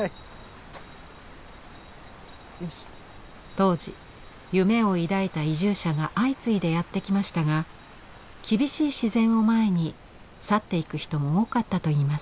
当時夢を抱いた移住者が相次いでやって来ましたが厳しい自然を前に去っていく人も多かったといいます。